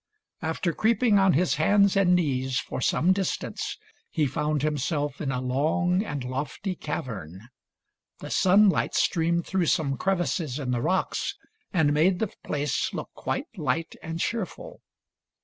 After creeping on his hands and knees for some distance he found himself in a long and lofty cavern. The sunlight streamed thtough some crev ices in the rocks and made the place look quite light and cheerful.